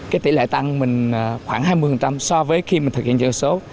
cái tỷ lệ tăng mình khoảng hai mươi so với khi mình thực hiện chuyển đổi số